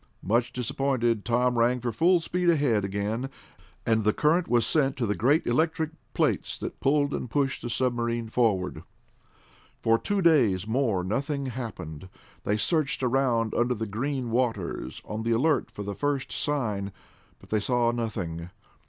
Much disappointed, Tom rang for full speed ahead again, and the current was sent into the great electric plates that pulled and pushed the submarine forward. For two days more nothing happened. They searched around under the green waters, on the alert for the first sign, but they saw nothing.